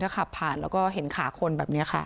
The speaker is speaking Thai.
ขับผ่านแล้วก็เห็นขาคนแบบนี้ค่ะ